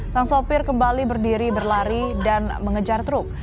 sang sopir kembali berdiri berlari dan mengejar truk